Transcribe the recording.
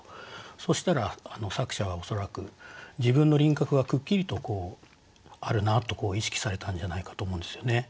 そうしたら作者は恐らく自分の輪郭がくっきりとあるなと意識されたんじゃないかと思うんですよね。